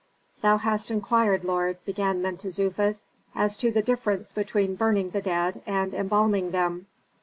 "Thou hast inquired, lord," began Mentezufis, "as to the difference between burning the dead and embalming them.